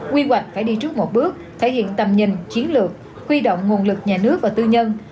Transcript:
quy hoạch phải đi trước một bước thể hiện tầm nhìn chiến lược huy động nguồn lực nhà nước và tư nhân